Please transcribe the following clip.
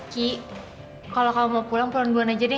ki kalau kamu mau pulang pulang bulang aja deh